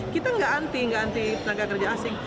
kita nggak anti nggak anti tenaga kerja asing